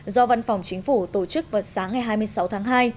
do văn phòng chính phủ tổ chức vào sáng ngày hai mươi sáu tháng hai